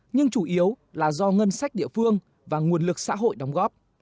nhưng chủ yếu là do ngân sách địa phương và nguồn lực xã hội đóng góp